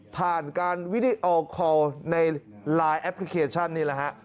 ผ่านการวิดีโอคอลในไลน์แอปพลิเคชันนี่แหละฮะ